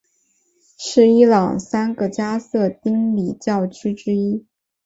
是伊朗三个加色丁礼教区之一。